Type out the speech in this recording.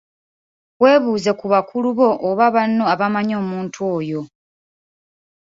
Weebuuze ku bakulu bo oba banno abamannyi omuntu oyo.